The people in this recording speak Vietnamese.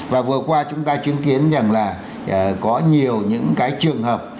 và vừa qua chúng ta chứng kiến rằng là có nhiều những cái trường hợp